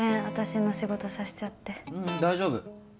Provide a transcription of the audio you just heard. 私の仕事させちゃってううん大丈夫